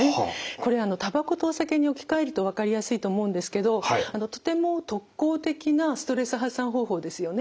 これたばことお酒に置き換えると分かりやすいと思うんですけどとても特効的なストレス発散方法ですよね。